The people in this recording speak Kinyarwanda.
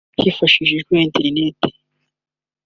Hifashishijwe internet